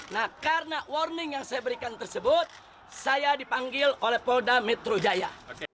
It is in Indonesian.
nah karena warning yang saya berikan tersebut saya dipanggil oleh polda metro jaya